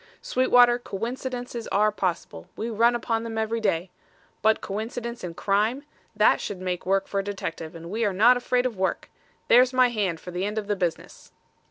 Sweetwater, coincidences are possible. We run upon them every day. But coincidence in crime! that should make work for a detective, and we are not afraid of work. There's my hand for my end of the business."